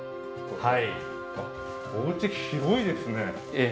おうち、広いですね。